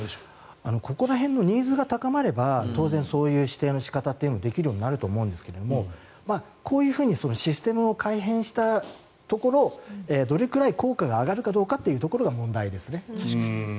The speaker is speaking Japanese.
ここら辺のニーズが高まれば当然そういう指定の仕方ってできるようになると思うんですがこういうふうにシステムを改変したところどれくらい効果が上がるのかが問題ですね。